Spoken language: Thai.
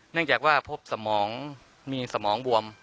เนื่องจากว่าพบสมองมีสมองบวม